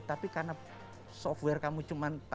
tapi karena software kamu cuma tau berapa